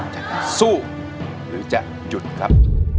จะสู้หรือจะหยุดครับ